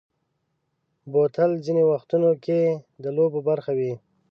بوتل ځینې وختو کې د لوبو برخه وي.